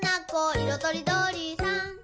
いろとりどりさん」